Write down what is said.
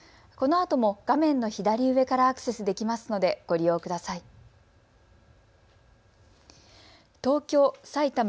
このあとも画面の左上からアクセスできますのでご利用ください。